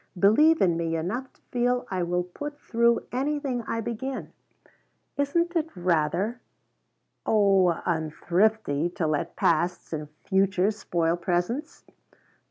Believe in me enough to feel I will put through anything I begin? Isn't it rather oh, unthrifty, to let pasts and futures spoil presents?